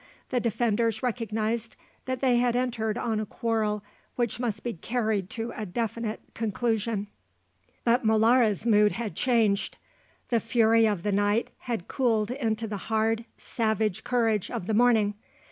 The defenders recognised that they had entered on a quarrel which must be carried to a definite conclusion. But Molara's mood had changed. The fury of the night had cooled into the hard, savage courage of the morning.